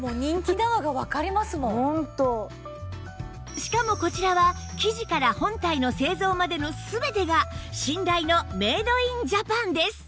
しかもこちらは生地から本体の製造までの全てが信頼のメイドインジャパンです